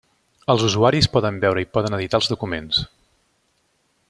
Els usuaris poden veure i poden editar els documents.